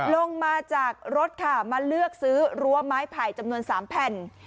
ลงมาจากรถค่ะมาเลือกซื้อรั้วไม้ไผ่จำนวน๓แผ่น